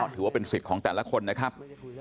ถือว่าเป็นสิทธิ์ของแต่ละคนนะครับ